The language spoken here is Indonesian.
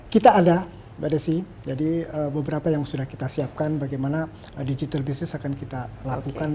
kita ada mbak desi jadi beberapa yang sudah kita siapkan bagaimana digital business akan kita lakukan